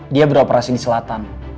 dia beroperasi di selatan